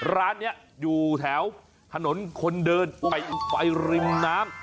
ร้านนี้อยู่แถวถนนคนเดินไปริมน้ำ